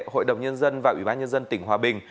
hội đồng nhân dân và ủy ban nhân dân tỉnh hòa bình